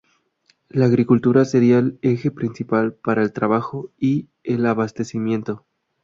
La agricultura sería el eje principal para el trabajo y el abastecimiento.